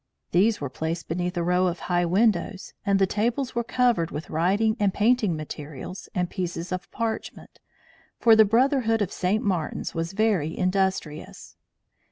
These were placed beneath a row of high windows, and the tables were covered with writing and painting materials and pieces of parchment; for the brotherhood of St. Martin's was very industrious.